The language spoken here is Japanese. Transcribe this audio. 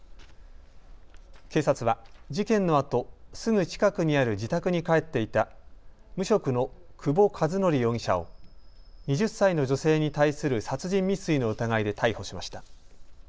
警察は事件のあとすぐ近くにある自宅に帰っていた無職の久保一紀容疑者を２０歳の女性に対する殺人未遂の疑いで逮捕しました。